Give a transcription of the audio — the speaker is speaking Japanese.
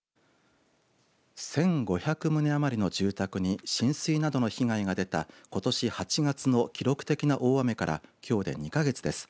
１５００棟余りの住宅に浸水などの被害が出たことし８月の記録的な大雨からきょうで２か月です。